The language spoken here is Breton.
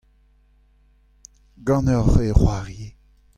ganeoc'h e c'hoarie.